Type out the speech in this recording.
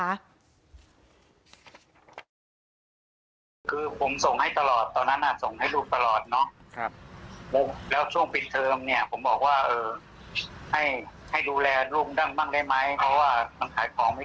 และมาตอนหลังนี้เขาเลือกกับแฟนก็กลับมาให้ผมส่งอีก